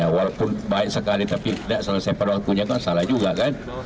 walaupun baik sekali tapi tidak selesai pada waktunya kan salah juga kan